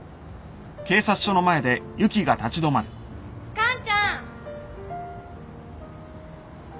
完ちゃん！